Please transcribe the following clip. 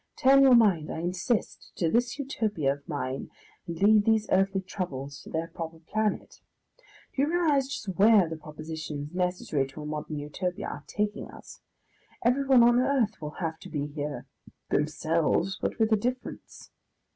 Turn your mind, I insist, to this Utopia of mine, and leave these earthly troubles to their proper planet. Do you realise just where the propositions necessary to a modern Utopia are taking us? Everyone on earth will have to be here; themselves, but with a difference.